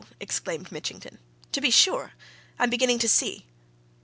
exclaimed Mitchington. "To be sure! I'm beginning to see!"